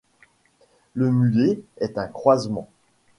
Le mulet est un croisement